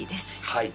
はい